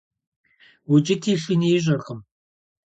Укӏыти шыни ищӏэркъым.